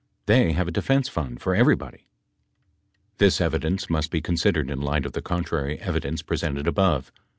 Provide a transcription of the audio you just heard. They have a defense fund for everybody, [p . 431 ; see also p. 833] This evidence must be considered in light of the contrary evidence presented above.